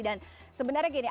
dan sebenarnya gini